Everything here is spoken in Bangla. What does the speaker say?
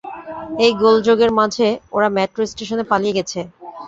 এই গোলযোগের মাঝে ওরা মেট্রো স্টেশনে পালিয়ে গেছে।